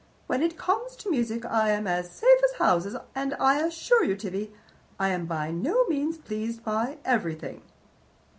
When it comes to music I am as safe as houses, and I assure you, Tibby, I am by no means pleased by everything.